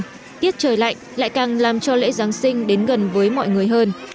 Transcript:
tuy nhiên tiết trời lạnh lại càng làm cho lễ giáng sinh đến gần với mọi người hơn